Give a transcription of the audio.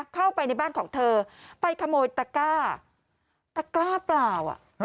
เข้าไปในบ้านของเธอไปขโมยตะกร้าตะกร้าเปล่า